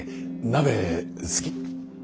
鍋好き？